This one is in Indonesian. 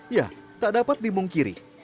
ya tak dapat dimungkiri